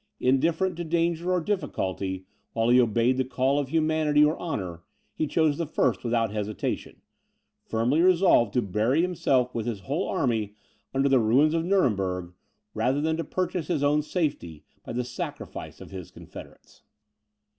Indifferent to danger or difficulty, while he obeyed the call of humanity or honour, he chose the first without hesitation, firmly resolved to bury himself with his whole army under the ruins of Nuremberg, rather than to purchase his own safety by the sacrifice of his confederates.